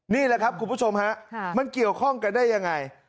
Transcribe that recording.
นี่แหละครับคุณผู้ชมฮะมันเกี่ยวข้องกันได้ยังไง